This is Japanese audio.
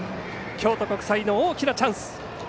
京都国際の大きなチャンス。